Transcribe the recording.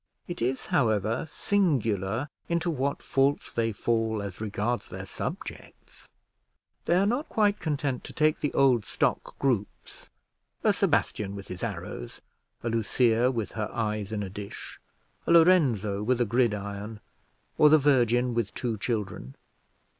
It is, however, singular into what faults they fall as regards their subjects: they are not quite content to take the old stock groups, a Sebastian with his arrows, a Lucia with her eyes in a dish, a Lorenzo with a gridiron, or the Virgin with two children.